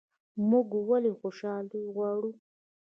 موږ ولې خوشحالي غواړو؟